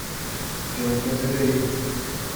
yo entonces le dije: